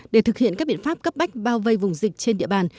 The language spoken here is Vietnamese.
để thực hiện các biện pháp cấp bách bao vây vùng dịch trên địa bàn